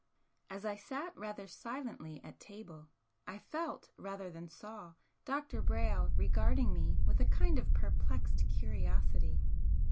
As I sat rather silently at table I felt, rather than saw, Dr. Brayle regarding me with a kind of perplexed curiosity.